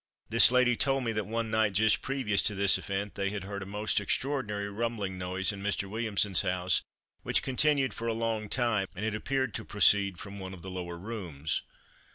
This lady told me that one night just previous to this event they had heard a most extraordinary rumbling noise in Mr. Williamson's house which continued for a long time and it appeared to proceed from one of the lower rooms.